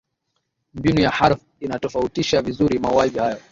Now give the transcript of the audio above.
mbinu ya harff inatofautisha vizuri mauaji hayo